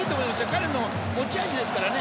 彼の持ち味ですからね